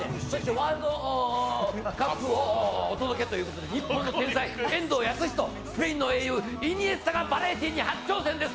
ワールドカップをお届けということで日本の天才・遠藤保仁、スペインの英雄、イニエスタがバラエティーに初挑戦です。